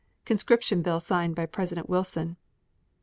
Conscription bill signed by President Wilson.